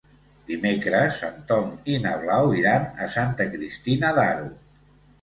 Dimecres en Tom i na Blau iran a Santa Cristina d'Aro.